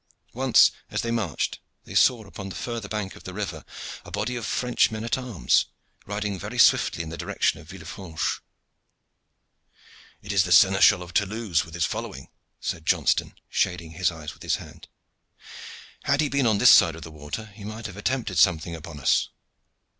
Once, as they marched, they saw upon the further bank of the river a body of French men at arms, riding very swiftly in the direction of Villefranche. "It is the Seneschal of Toulouse, with his following," said Johnston, shading his eyes with his hand. "Had he been on this side of the water he might have attempted something upon us."